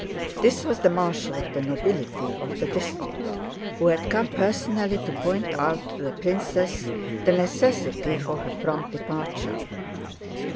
This was the Marshal of the Nobility of the district, who had come personally to point out to the princess the necessity for her prompt departure.